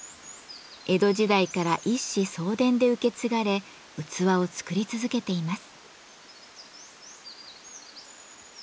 江戸時代から一子相伝で受け継がれ器を作り続けています。